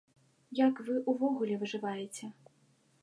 Як вы ўвогуле выжываеце?